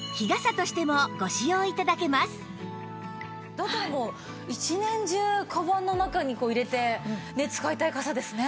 だったらもう一年中カバンの中に入れてね使いたい傘ですね。